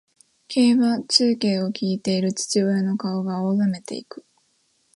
競馬中継を聞いている父親の顔が青ざめていく